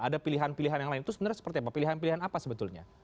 ada pilihan pilihan yang lain itu sebenarnya seperti apa pilihan pilihan apa sebetulnya